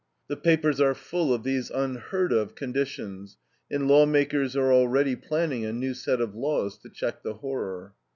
The papers are full of these "unheard of conditions," and lawmakers are already planning a new set of laws to check the horror.